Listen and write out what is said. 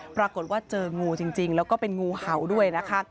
ปรากฏว่าเจองูจริงแล้วก็เป็นงูเห่าด้วยนะคะ